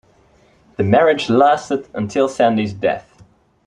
The marriage lasted until Sandys' death.